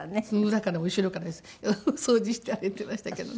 だから後ろから掃除して歩いてましたけどね。